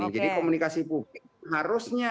jadi komunikasi publik harusnya